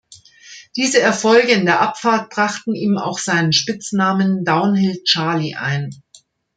Diese Erfolge in der Abfahrt brachten ihm auch seinen Spitznamen „Downhill-Charly“ ein.